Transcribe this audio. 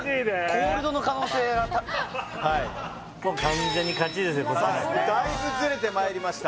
コールドの可能性はいさあだいぶズレてまいりました